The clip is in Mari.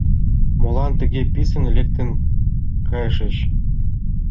— Молан тыге писын лектын кайышыч?